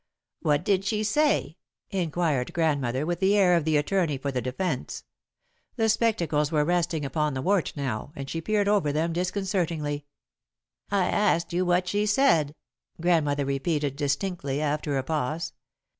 "What did she say?" inquired Grandmother, with the air of the attorney for the defence. The spectacles were resting upon the wart now, and she peered over them disconcertingly. [Sidenote: What Does She Look Like?] "I asked you what she said," Grandmother repeated distinctly, after a pause.